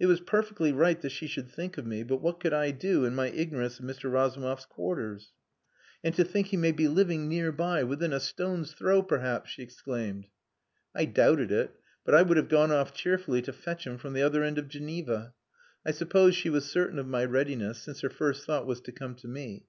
It was perfectly right that she should think of me, but what could I do in my ignorance of Mr. Razumov's quarters. "And to think he may be living near by, within a stone's throw, perhaps!" she exclaimed. I doubted it; but I would have gone off cheerfully to fetch him from the other end of Geneva. I suppose she was certain of my readiness, since her first thought was to come to me.